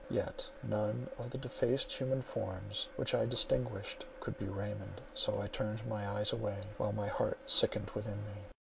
Yet none of the defaced human forms which I distinguished, could be Raymond; so I turned my eyes away, while my heart sickened within me.